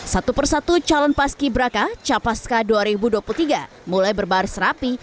satu persatu calon paski braka capaska dua ribu dua puluh tiga mulai berbaris rapi